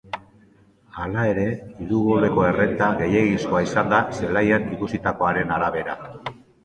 Hala ere, hiru goleko errenta gehiegizkoa izan da zelaian ikusitakoaren arabera.